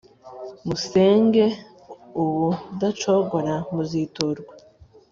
musenge c ubudacogora muziturwa